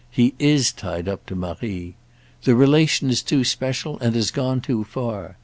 He is tied up to Marie. The relation is too special and has gone too far.